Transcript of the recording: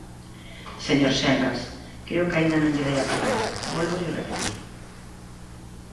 Señor Senras, creo que aínda non lle dei a palabra, vólvollo repetir.